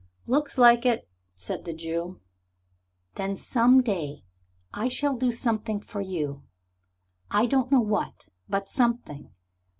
"Looks like it," said the Jew. "Then some day I shall do something for you. I don't know what, but something.